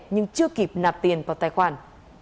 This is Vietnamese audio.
nhưng chưa kịp nạp tiền vào tài khoản